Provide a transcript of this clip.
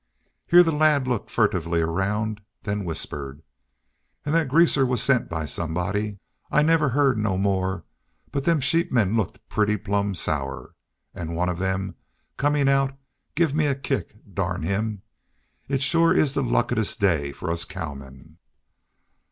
Here the lad looked furtively around, then whispered. "An' thet greaser was sent by somebody. I never heerd no more, but them sheepmen looked pretty plumb sour. An' one of them, comin' out, give me a kick, darn him. It shore is the luckedest day fer us cowmen."